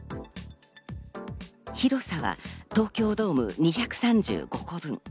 広さは東京ドーム２３５個分。